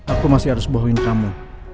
aku masih harus bawain kamu